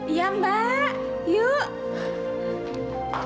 iya mbak yuk